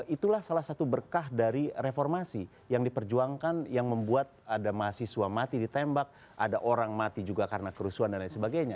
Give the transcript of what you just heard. itulah salah satu berkah dari reformasi yang diperjuangkan yang membuat ada mahasiswa mati ditembak ada orang mati juga karena kerusuhan dan lain sebagainya